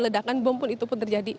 ledakan bom pun itu pun terjadi